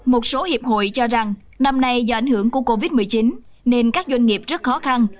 một số hiệp hội cho rằng năm nay do ảnh hưởng của covid một mươi chín nên các doanh nghiệp rất khó khăn